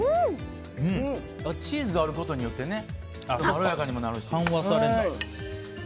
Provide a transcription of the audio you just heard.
チーズあることによってまろやかにもなるし。